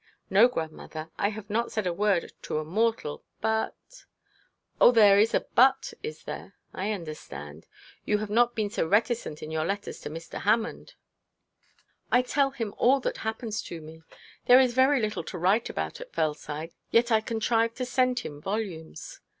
'No, grandmother, I have not said a word to a mortal, but ' 'Oh, there is a "but," is there? I understand. You have not been so reticent in your letters to Mr. Hammond.' 'I tell him all that happens to me. There is very little to write about at Fellside; yet I contrive to send him volumes.